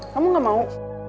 kamu gak mau